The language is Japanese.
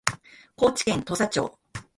高知県土佐町